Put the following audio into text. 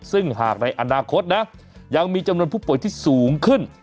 ซึ่งหากในอนาคตนะยังมีจำนวนผู้ป่วยที่สูงขึ้น